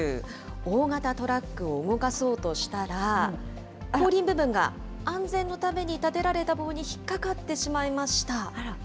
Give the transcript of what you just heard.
大型トラックを動かそうとしたら、後輪部分が安全のために立てられた棒に引っかかってしまいました。